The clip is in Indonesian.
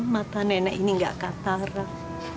mata nenek ini gak katarak